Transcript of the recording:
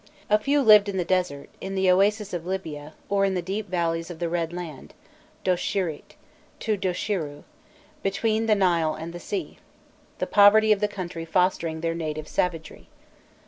A few lived in the desert, in the oasis of Libya, or in the deep valleys of the Red Land Doshirit, To Doshiru between the Nile and the sea; the poverty of the country fostering their native savagery.